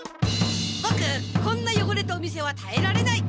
ボクこんなよごれたお店はたえられない！